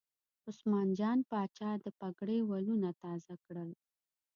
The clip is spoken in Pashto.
عثمان جان پاچا د پګړۍ ولونه تازه کړل.